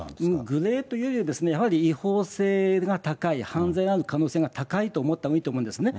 グレーというよりは、やはり違法性が高い、犯罪になる可能性が高いと思ったほうがいいと思うんですね。